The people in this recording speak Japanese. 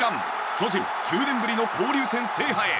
巨人、９年ぶりの交流戦制覇へ。